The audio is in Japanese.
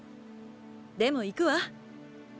でも行くわ。